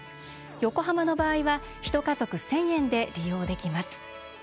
横浜の場合は１家族１０００円で利用できます。